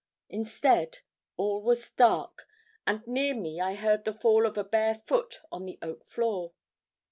Instead, all was dark, and near me I heard the fall of a bare foot on the oak floor.